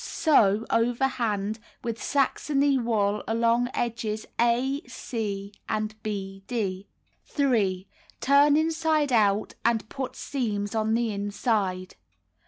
Sew (overhand) with Saxony wool along edges o c and 6 d. 3. Turn inside out to put seams on the inside.